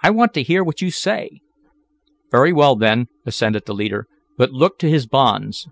I want to hear what you say." "Very well then," assented the leader, "But look to his bonds."